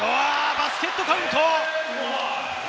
バスケットカウント！